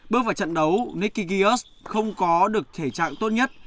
bước vào trận đấu nicky gears không có được thể trạng tốt nhất